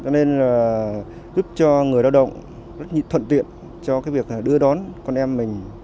nên là giúp cho người lao động rất thuận tiện cho cái việc đưa đón con em mình